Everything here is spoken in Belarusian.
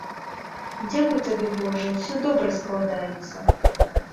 Дзякуй табе, божа, усё добра складаецца.